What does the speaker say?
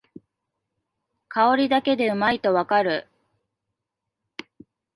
香りだけでうまいとわかる